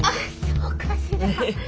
そうかしら。